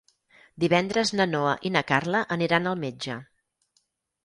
Divendres na Noa i na Carla aniran al metge.